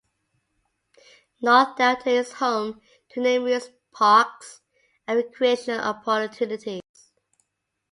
North Delta is home to numerous parks and recreational opportunities.